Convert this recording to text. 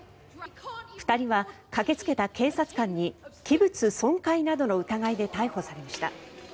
２人は駆けつけた警察官に器物損壊などの疑いで逮捕されました。